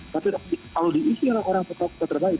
tapi kalau diisi orang orang terbaik